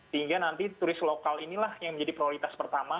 sehingga nanti turis lokal inilah yang menjadi prioritas pertama